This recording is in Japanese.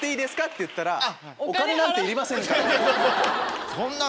って言ったらお金なんていりません。